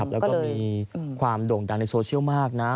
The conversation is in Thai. แล้วก็มีความโด่งดังในโซเชียลมากนะ